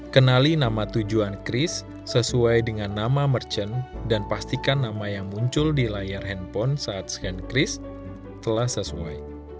kenali nama tujuan kris sesuai dengan nama merchant dan pastikan nama yang muncul di layar handphone saat scan cris telah sesuai